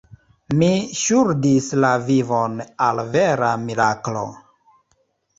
Mi ŝuldis la vivon al vera miraklo.